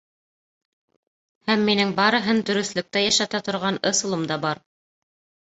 Һәм минең барыһын дөрөҫлөктә йәшәтә торған ысулым да бар.